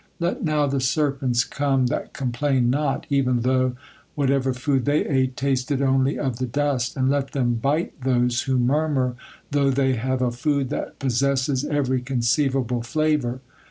Let now the serpents come, that complained not, even though whatever food they ate tasted only of the dust, and let them bite those who murmur though they have a food that possesses every conceivable flavor.